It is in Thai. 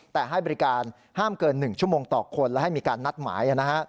แต่ให้บริการห้ามเกิน๑ชั่วโมงต่อคนและให้มีการนัดหมาย